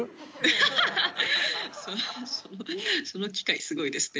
はははその機会すごいですね。